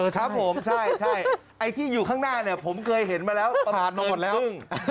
ครับผมใช่ไอ้ที่อยู่ข้างหน้าเนี่ยผมเคยเห็นมาแล้วผ่านมาหมดแล้ว